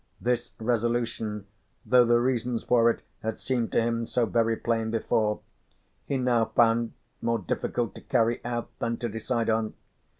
This resolution, though the reasons for it had seemed to him so very plain before, he now found more difficult to carry out than to decide on.